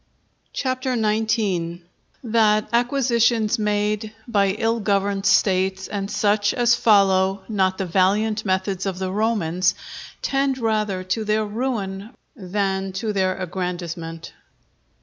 CHAPTER XIX.—_That Acquisitions made by ill governed States and such as follow not the valiant methods of the Romans, tend rather to their Ruin than to their Aggrandizement_.